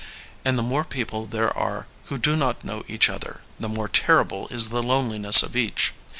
And the more people there are who do not know each other, the more terrible is the loneliness of each.